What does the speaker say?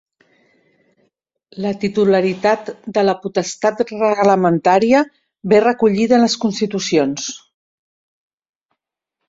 La titularitat de la potestat reglamentària ve recollida en les constitucions.